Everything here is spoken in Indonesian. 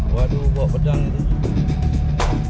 waduh bawa pedang itu